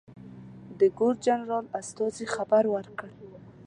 د ګورنرجنرال استازي خبر ورکړ.